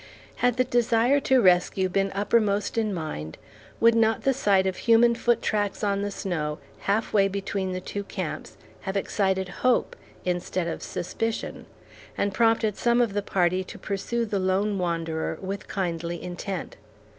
Had the desire to rescue been uppermost in mind, would not the sight of human foot tracks on the snow half way between the two camps have excited hope, instead of "suspicion," and prompted some of the party to pursue the lone wanderer with kindly intent?